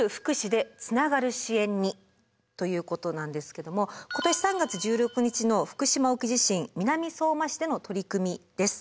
ということなんですけども今年３月１６日の福島沖地震南相馬市での取り組みです。